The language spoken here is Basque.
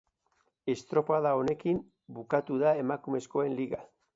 Estropada honekin bukatu da emakumezkoen liga.